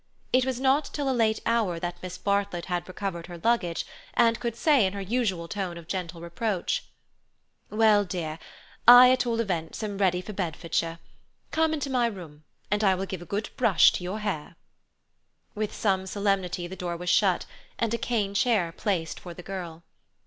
It was not till a late hour that Miss Bartlett had recovered her luggage and could say in her usual tone of gentle reproach: "Well, dear, I at all events am ready for Bedfordshire. Come into my room, and I will give a good brush to your hair." With some solemnity the door was shut, and a cane chair placed for the girl.